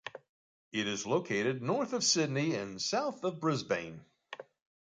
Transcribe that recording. It is located north of Sydney and south of Brisbane.